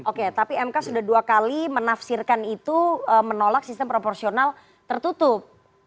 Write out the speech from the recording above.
oke tapi mk sudah dua kali menafsirkan itu menolak sistem proporsional tertutup